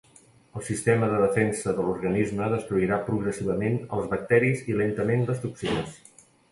El sistema de defensa de l'organisme destruirà progressivament els bacteris i lentament les toxines.